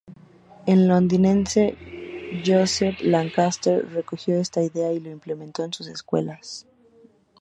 El londinense Joseph Lancaster recogió esta idea y lo implementó en sus escuelas.